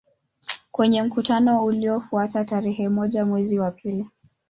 Kwenye mkutano uliofuata tarehe moja mwezi wa pili